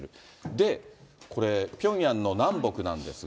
で、これ、ピョンヤンの南北なんですが。